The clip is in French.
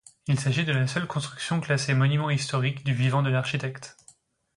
Il s'agit de la seule construction classée monument historique du vivant de l'architecte.